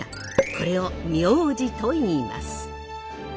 これを名字といいます。